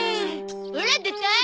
オラ出たい！